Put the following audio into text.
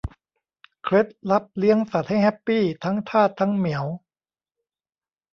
เคล็ดลับเลี้ยงสัตว์ให้แฮปปี้ทั้งทาสทั้งเหมียว